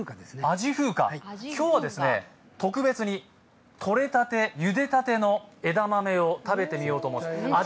今日は特別にとれたてゆでたての枝豆を食べてみようと思います。